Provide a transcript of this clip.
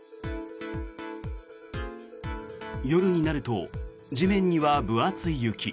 夜になると地面には分厚い雪。